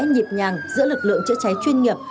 nhịp nhàng giữa lực lượng chữa cháy chuyên nghiệp